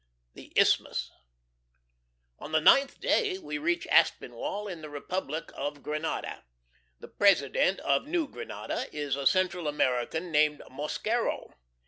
II. THE ISTHMUS. On the ninth day we reach Aspinwall in the Republic of Granada. The President of New Granada is a Central American named Mosquero.